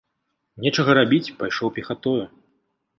Нечага рабіць, пайшоў пехатою.